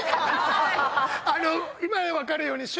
あの今分かるように。